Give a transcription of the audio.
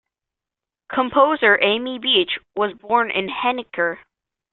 Composer Amy Beach was born in Henniker.